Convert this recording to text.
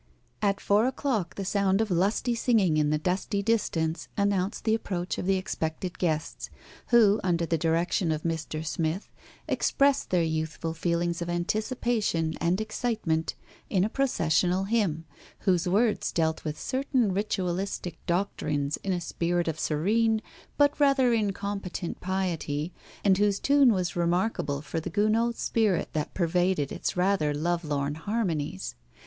At four o'clock the sound of lusty singing in the dusty distance announced the approach of the expected guests, who, under the direction of Mr. Smith, expressed their youthful feelings of anticipation and excitement in a processional hymn, whose words dealt with certain ritualistic doctrines in a spirit of serene but rather incompetent piety, and whose tune was remarkable for the Gounod spirit that pervaded its rather love lorn harmonies.